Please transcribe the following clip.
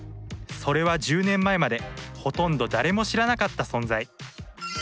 それは１０年前までほとんど誰も知らなかった存在。